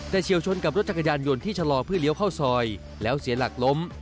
แต่เฉียวชนกับรถจักรยานยนต์ที่ชะลอเพื่อเลี้ยวเข้าซอยแล้วเสียหลักล้ม